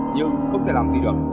nhưng không thể làm gì được